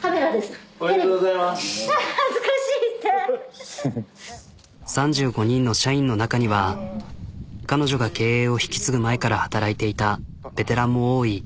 ははっ３５人の社員の中には彼女が経営を引き継ぐ前から働いていたベテランも多い。